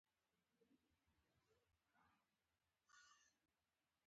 دوی یو بل خوړل او آدم خوري یې کوله.